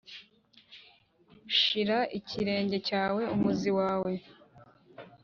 shira ikirenge cyawe, umuzi wawe,